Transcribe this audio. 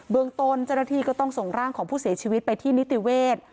เมืองต้นเจ้าหน้าที่ก็ต้องส่งร่างของผู้เสียชีวิตไปที่นิติเวศ